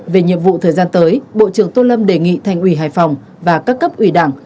về nhiệm vụ thời gian tới bộ trưởng tô lâm đề nghị thành ủy hải phòng và các cấp ủy đảng